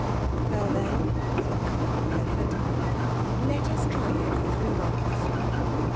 "Well, then," said Anna, with an effort, "let us try it for three months."